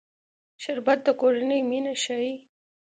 شربت د کورنۍ مینه ښيي